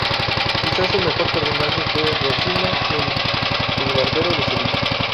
Quizás su mejor personaje fue Rosina en "El barbero de Sevilla".